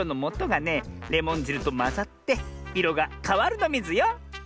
レモンじるとまざっていろがかわるのミズよ！